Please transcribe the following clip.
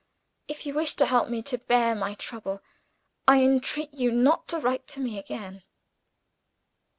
If you wish to help me to bear my trouble, I entreat you not to write to me again."